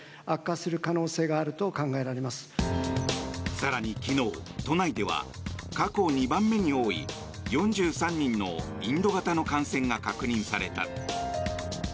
更に昨日、都内では過去２番目に多い４３人のインド型の感染が確認された。